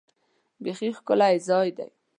بیخي ښکلی ځای دی .